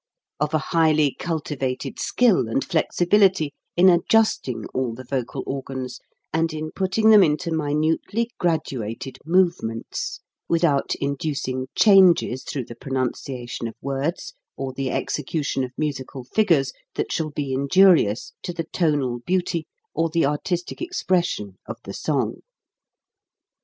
Of a highly cultivated skill and flexibility in adjusting all the vocal organs and in putting them into minutely graduated movements, without inducing changes through the pronunciation of words or the execution of musical figures that shall be injurious to the tonal beauty or the artistic expression of the song.